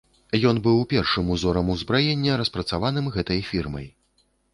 Ён быў першым узорам узбраення, распрацаваным гэтай фірмай.